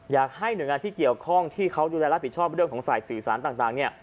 อยากให้หน่วยงานที่เกี่ยวข้องที่เขาดูแลรับผิดชอบเรื่องของสายสื่อสารต่างเนี่ย